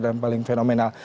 dan paling fenomenal